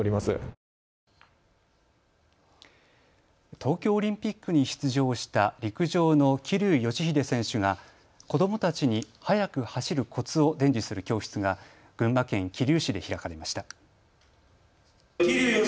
東京オリンピックに出場した陸上の桐生祥秀選手が子どもたちに速く走るコツを伝授する教室が群馬県桐生市で開かれました。